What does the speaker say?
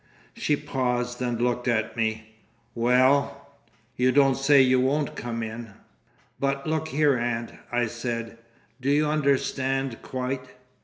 She paused and looked at me. "Well—" "You don't say you won't come in!" "But look here, aunt," I said, "do you understand quite?...